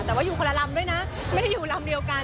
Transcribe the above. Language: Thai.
แต่ว่าอยู่คนละลำด้วยนะไม่ได้อยู่ลำเดียวกัน